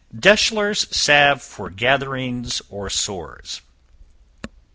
Deshler's Salve for Gatherings or Sores.